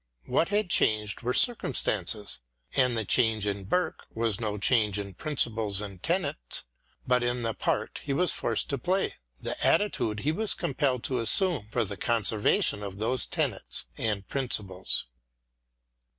What had changed were circumstances, and the change in Burke was no change in principles and tenets, but in the part he was forced to play — ^the attitude he was compelled to assume for the conservation of those tenets and principles.